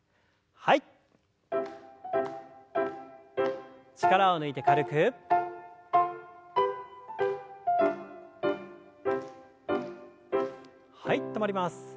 はい止まります。